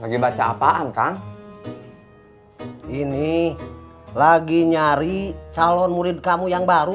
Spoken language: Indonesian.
lagi baca apaan kan ini lagi nyari calon murid kamu yang baru